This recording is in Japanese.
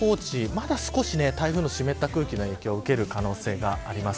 まだ少し台風の湿った空気の影響を受ける可能性があります。